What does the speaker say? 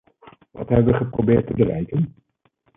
Wat hebben we geprobeerd te bereiken?